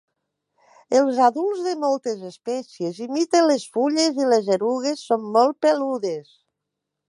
Els adults de moltes espècies imiten les fulles i les erugues són molt peludes.